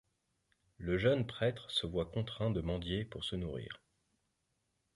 Le jeune prêtre se voit contraint de mendier pour se nourrir.